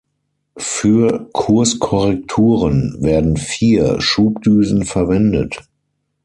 Für Kurskorrekturen werden vier Schubdüsen verwendet.